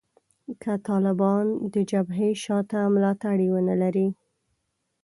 که طالبان د جبهې شا ته ملاتړي ونه لري